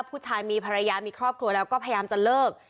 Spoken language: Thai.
ผู้ชายมีภรรยามีครอบครัวแล้วก็พยายามจะเลิก